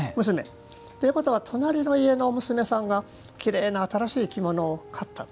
ということは、隣の家の娘さんがきれいな新しい着物を買ったと。